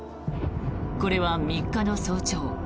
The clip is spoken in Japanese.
これは３日の早朝